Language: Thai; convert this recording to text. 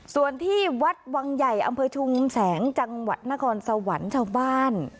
ส่วนที่วัดวังใหญ่อำเภอชุมแสงจังหวัดนครสวรรค์ชาวบ้าน